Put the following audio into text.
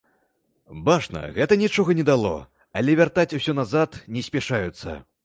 Бачна, гэта нічога не дало, але вяртаць усё назад не спяшаюцца.